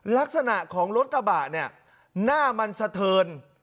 ลักษณะของรถกระบะเนี่ยหน้ามันสะเทิน